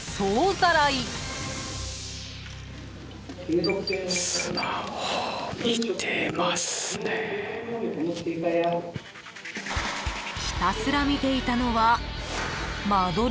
［ひたすら見ていたのは間取り図？］